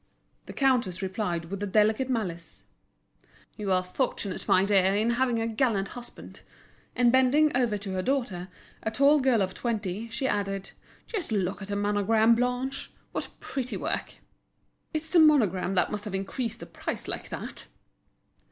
The countess replied with delicate malice: "You are fortunate, my dear, in having a gallant husband." And bending over to her daughter, a tall girl of twenty, she added: "Just look at the monogram, Blanche. What pretty work! It's the monogram that must have increased the price like that."